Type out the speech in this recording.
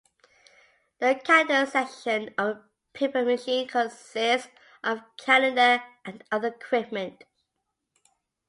The calender section of a paper machine consists of a calender and other equipment.